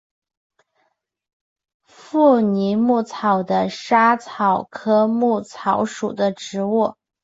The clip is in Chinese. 富宁薹草是莎草科薹草属的植物。